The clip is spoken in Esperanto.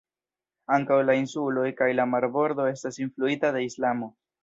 Ankaŭ la insuloj kaj la marbordo estas influita de Islamo.